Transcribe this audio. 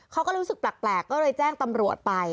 เขาก็รู้สึกแปลกก็เลยแจ้งตำรวจไป